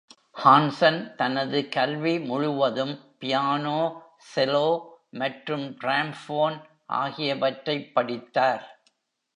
Hanson தனது கல்வி முழுவதும், பியானோ, செலோ மற்றும் டிராம்போன் ஆகியவற்றைப் படித்தார்.